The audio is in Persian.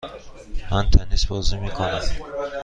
من تنیس بازی میکنم.